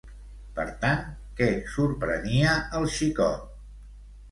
Per tant, què sorprenia el xicot?